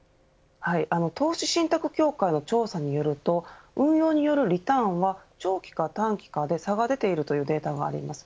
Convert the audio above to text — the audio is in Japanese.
投資信託協会の調査によると運用によるリターンは、長期か短期かで差が出ているというデータがあります。